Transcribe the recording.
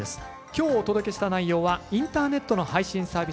今日お届けした内容はインターネットの配信サービス